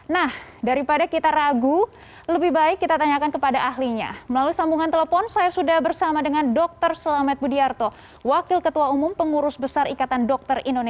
ketua umum pengurus besar ikatan dokter indonesia dr selamet budiarto telah mengundang vaksin dari vaksin tersebut